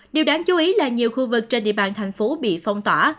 điều đáng chú ý là nhiều khu vực trên địa bàn thành phố bị phong tỏa